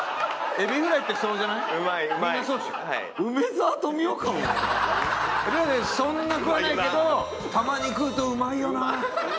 エビフライそんな食わないけどたまに食うとうまいよな。